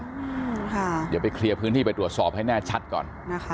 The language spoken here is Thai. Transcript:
เดี๋ยวไปเคลียร์พื้นที่ไปตรวจสอบให้แน่ชัดก่อนนะคะ